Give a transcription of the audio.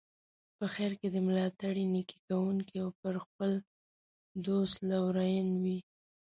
په خیر کې دي ملاتړی، نیکي کوونکی او پر خپل دوست لورین وي.